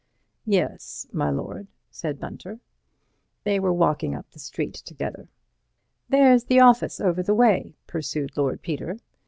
"Yes, my lord," said Bunter. They were walking up the street together. "There is the office over the way," pursued Lord Peter.